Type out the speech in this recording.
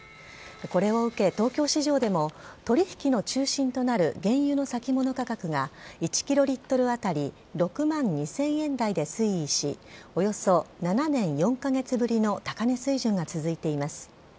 これを受け、東京市場でも取り引きの中心となる原油の先物価格が１キロリットル当たり６万２０００円台で推移し、およそ７年４か月ぶりの高値水準が続いています。